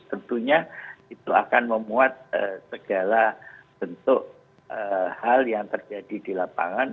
tentunya itu akan memuat segala bentuk hal yang terjadi di lapangan